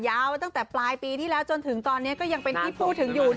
ตั้งแต่ปลายปีที่แล้วจนถึงตอนนี้ก็ยังเป็นที่พูดถึงอยู่